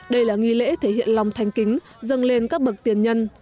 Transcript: đây là nghi lễ thể hiện lòng thanh kính dâng lên các bậc tiền nhân